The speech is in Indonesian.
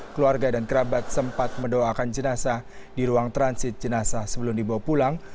keluarga dan kerabat sempat mendoakan jenazah di ruang transit jenazah sebelum dibawa pulang